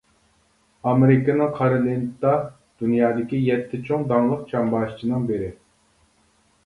ئامېرىكىنىڭ «قارا لېنتا» دۇنيادىكى يەتتە چوڭ داڭلىق چامباشچىنىڭ بىرى.